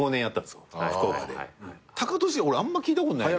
タカトシあんま聞いたことない。